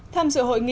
tham dự hội nghị